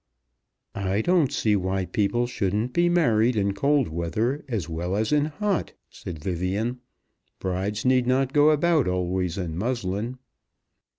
"I don't see why people shouldn't be married in cold weather as well as in hot," said Vivian. "Brides need not go about always in muslin."